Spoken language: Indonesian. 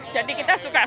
jadi kita suka suka